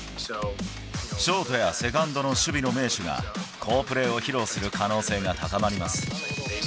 ショートやセカンドの守備の名手が、好プレーを披露する可能性が高まります。